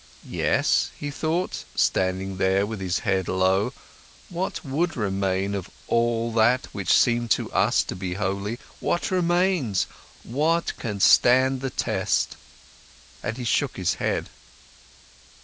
Yes, he thought, standing there with his head low, what would remain of all that which seemed to us to be holy? What remains? What can stand the test? And he shook his head.